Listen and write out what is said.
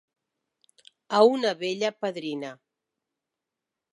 A una bella padrina.